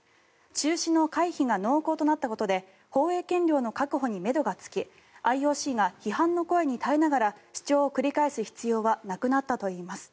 中止の回避が濃厚となったことで放映権料の確保にめどがつきＩＯＣが批判の声に耐えながら主張を繰り返す必要はなくなったといいます。